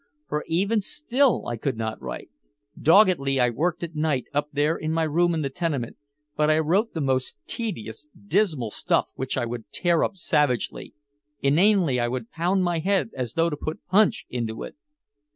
For even still I could not write. Doggedly I worked at night up there in my room in the tenement, but I wrote the most tedious dismal stuff which I would tear up savagely. Inanely I would pound my head as though to put punch into it.